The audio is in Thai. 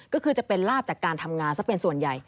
ก็คือจะเป็นลาบจากการทำงานซะเป็นส่วนใหญ่